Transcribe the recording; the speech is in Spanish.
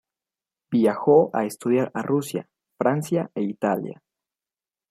Viajó a estudiar a Rusia, Francia e Italia.